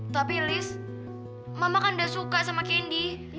tapi liz mama kan udah suka sama candy